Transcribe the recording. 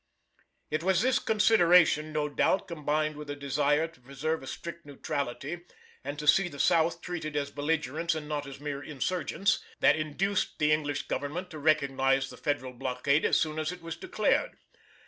It was this consideration, no doubt, combined with a desire to preserve a strict neutrality and to see the South treated as belligerents and not as mere insurgents, that induced the English Government to recognise the Federal blockade as soon as it was declared.